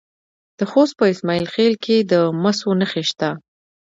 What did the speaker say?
د خوست په اسماعیل خیل کې د مسو نښې شته.